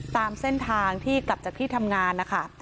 ตามเส้นทางที่กลับจากที่ทำงานนะคะ